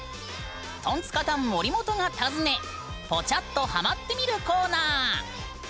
トンツカタン森本が訪ねポチャっとハマってみるコーナー！